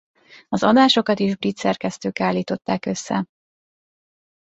Az adásokat is brit szerkesztők állították össze.